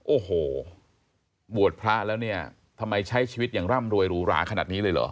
โอ้โหบวชพระแล้วเนี่ยทำไมใช้ชีวิตอย่างร่ำรวยหรูหราขนาดนี้เลยเหรอ